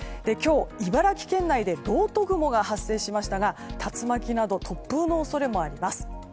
今日、茨城県外でろうと雲が発生しましたが竜巻など突風の恐れもあります。